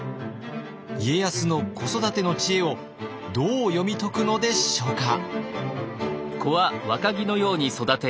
家康の子育ての知恵をどう読み解くのでしょうか。